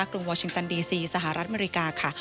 รุงวอร์ชิงตันดีซีสหรัฐอเมริกาค่ะ